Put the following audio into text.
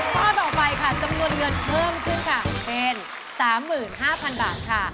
ข้อต่อไปค่ะจำนวนเงินเพิ่มขึ้นค่ะเป็น๓๕๐๐๐บาทค่ะ